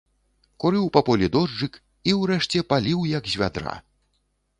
Курыў па полі дожджык і, урэшце, паліў як з вядра.